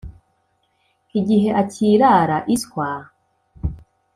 igihe akirara iswa